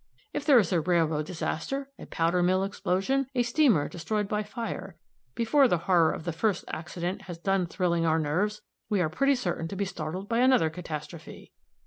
If there is a railroad disaster, a powder mill explosion, a steamer destroyed by fire, before the horror of the first accident has done thrilling our nerves, we are pretty certain to be startled by another catastrophe."